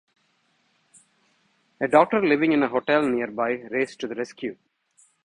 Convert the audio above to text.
A doctor living in a hotel nearby raced to the rescue.